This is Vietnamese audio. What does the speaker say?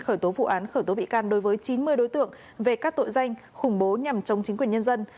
khởi tố vụ án khởi tố bị can đối với chín mươi đối tượng về các tội danh khủng bố nhằm chống chính quyền nhân dân